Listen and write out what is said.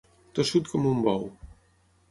Tossut com un bou.